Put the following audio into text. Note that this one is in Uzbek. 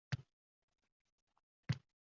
Xonada sovuq jimlik cho`kdi